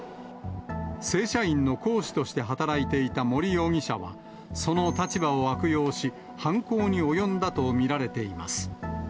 正社員の講師として働いていた森容疑者は、その立場を悪用し、犯行に及んだと見られています。